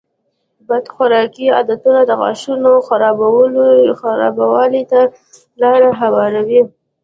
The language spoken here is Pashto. بد خوراکي عادتونه د غاښونو خرابوالي ته لاره هواروي.